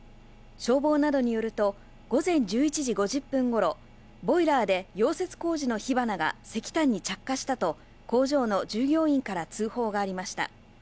消防などによると、午前１１時５０分ごろ、ボイラーで溶接工事の火花が石炭に着火したと、工場の従業員から通報がありました。